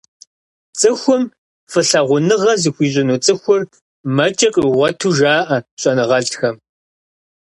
Цӏыхум фӏылъагъуныгъэ зыхуищӏыну цӏыхур, мэкӏэ къигъуэту жаӏэ щӏэныгъэлӏхэм.